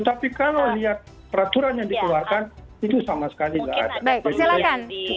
tapi kalau lihat peraturan yang dikeluarkan itu sama sekali nggak ada presiden